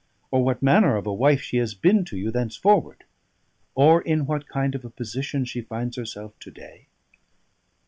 or what manner of a wife she has been to you thenceforward? or in what kind of a position she finds herself to day?